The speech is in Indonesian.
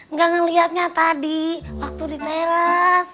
nggak ngeliatnya tadi waktu di teras